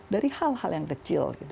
dari hal hal yang kecil